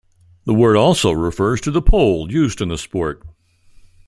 The word also refers to the pole used in the sport.